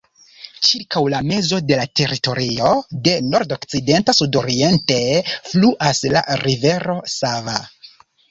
Ĉirkaŭ la mezo de la teritorio, de nordokcidenta sudoriente, fluas la rivero Sava.